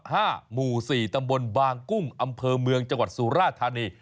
หมู่สี่ตำบลบางกุ้งอำเภอเมืองจังหวัดสุราธานี